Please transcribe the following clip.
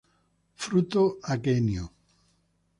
Fruto aquenio.